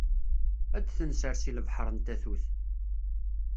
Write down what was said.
Ad d-tenser seg lebḥer n tatut.